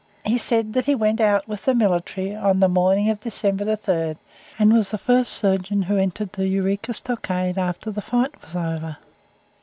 He said that he went out with the military on the morning of December 3rd, and was the first surgeon who entered the Eureka Stockade after the fight was over.